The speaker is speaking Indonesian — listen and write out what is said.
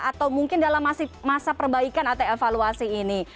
atau mungkin dalam masa perbaikan atau evaluasi ini